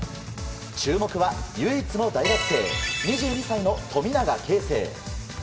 注目は唯一の大学生２２歳の富永啓生。